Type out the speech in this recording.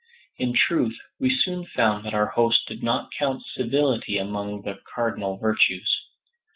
In truth, we soon found that our host did not count civility among the cardinal virtues.